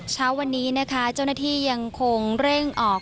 เช้าวันนี้นะคะเจ้าหน้าที่ยังคงเร่งออก